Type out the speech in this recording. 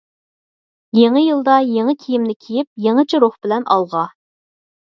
يېڭى يىلدا يېڭى كىيىمنى كىيىپ، يېڭىچە روھ بىلەن ئالغا!